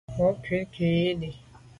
Bon nkùt nku yi li.